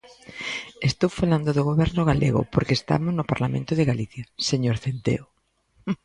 Estou falando do Goberno galego porque estamos no Parlamento de Galicia, señor Centeo.